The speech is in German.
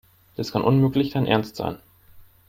Das kann unmöglich dein Ernst sein.